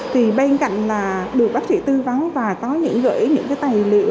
thì bên cạnh là được bác sĩ tư vấn và có những gửi những cái tài liệu